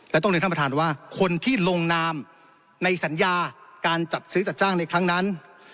และต้องเรียนท่านประธานว่าคนที่ลงนามในสัญญาการจัดซื้อจัดจ้างในครั้งนั้น